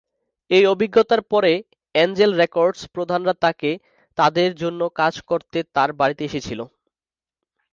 এই অভিজ্ঞতার পরে অ্যাঞ্জেল রেকর্ডস প্রধানরা তাকে তাদের জন্য কাজ করাতে তার বাড়িতে এসেছিল।